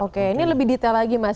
oke ini lebih detail lagi mas